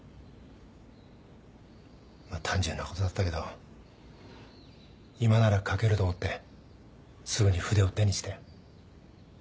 まあ単純なことだったけど今なら書けると思ってすぐに筆を手にしたよ。